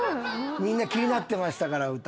みんな気になってましたから。